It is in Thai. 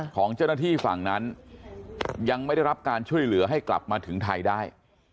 ของเจ้าหน้าที่ฝั่งนั้นยังไม่ได้รับการช่วยเหลือให้กลับมาถึงไทยได้